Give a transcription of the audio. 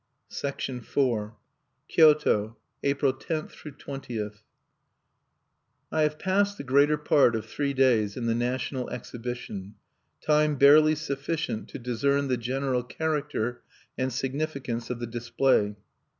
IV KYOTO, April 10 20. I have passed the greater part of three days in the national Exhibition, time barely sufficient to discern the general character and significance of the display.